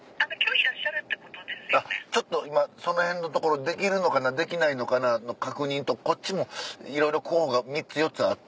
今その辺のところできるのかなできないのかなの確認とこっちもいろいろ候補が３つ４つあって。